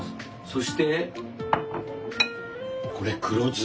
そしてこれ黒酢。